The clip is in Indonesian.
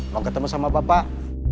mau ketemu sama bapak